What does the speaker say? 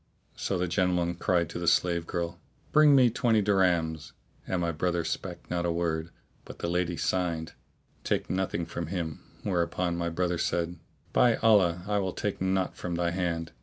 So the gentleman cried out to the slave girl, "Bring me twenty dirhams," and my brother spake not a word; but the lady signed, "Take nothing from him;' whereupon my brother said, "By Allah I will take naught from thy hand.